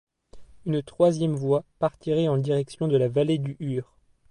Une troisième voie partirait en direction de la vallée du Hure.